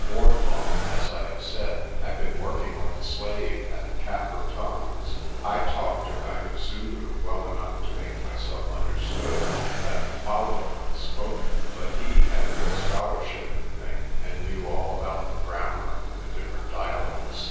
Wardlaw, as I have said, had been working like a slave at the Kaffir tongues. I talked a kind of Zulu well enough to make my MR. WARDLAW'S PREMONITION 71 self understood, and I could follow it when spoken; but he had real scholarship in the thing, and knew all about the grammar and the different dialects.